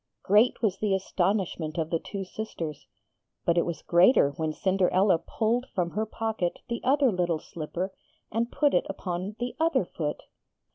Great was the astonishment of the two sisters; but it was greater when Cinderella pulled from her pocket the other little slipper and put it upon the other foot.